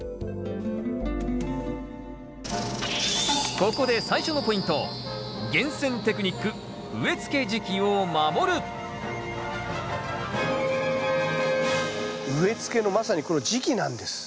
ここで最初のポイント植え付けのまさにこの時期なんです。